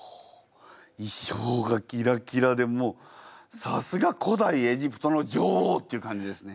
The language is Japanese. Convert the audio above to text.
衣装がギラギラでもうさすが古代エジプトの女王っていう感じですね。